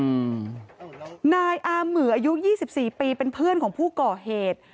อืมนายอาเหมืออายุยี่สิบสี่ปีเป็นเพื่อนของผู้ก่อเหตุ